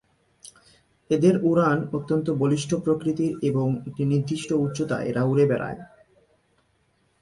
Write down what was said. এদের উড়ান অত্যন্ত বলিষ্ঠ প্রকৃতির এবং একটি নির্দিষ্ট উচ্চতায় এরা উড়ে বেড়ায়।